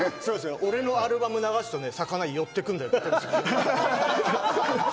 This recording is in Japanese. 俺のアルバム流すと、魚寄ってくるんだって言ってました。